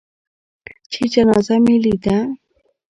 چې جنازه مې لېده.